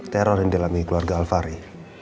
teror yang dialami keluarga alfari